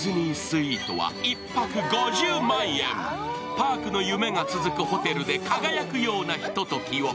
パークの夢が続くホテルで輝くようなひとときを。